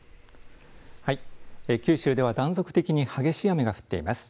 はい、九州では断続的に激しい雨が降っています。